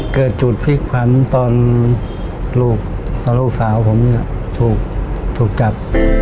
เกิดจุดภิกษ์ฝันตอนลูกตอนลูกสาวผมเนี่ยถูกจับ